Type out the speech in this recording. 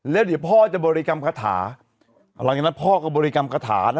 แล้วเดี๋ยวพ่อจะบริกรรมคาถาหลังจากนั้นพ่อก็บริกรรมคาถานะ